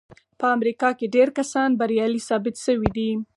په امريکا کې ډېر کسان بريالي ثابت شوي دي.